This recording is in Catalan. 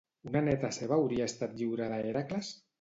Una neta seva hauria estat lliurada a Hèracles?